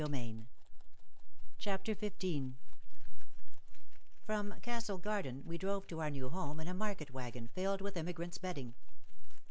PART TWO PART TWO XV From Castle Garden we drove to our new home in a market wagon filled with immigrants' bedding.